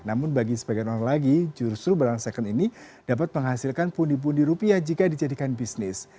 namun bagi sebagian orang lagi justru barang second ini dapat menghasilkan pundi pundi rupiah jika dijadikan bisnis